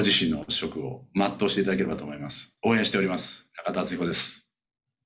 中田敦彦です。